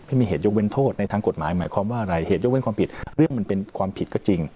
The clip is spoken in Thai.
ไม่มีเหตุยกเว้นโทษในทางกฎหมายหมายความว่าอะไรเหตุยกเว้นความผิดเรื่องมันเป็นความผิดก็จริง